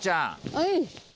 はい。